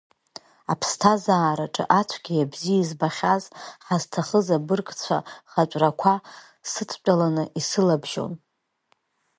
Аԥсҭазаараҿы ацәгьеи абзиеи збахьаз, ҳазҭахыз абыргцәа хатәрақәа сыдтәаланы исылабжьон.